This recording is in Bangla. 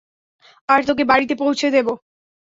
আর তোকে বাড়িতে পৌছে দেবো।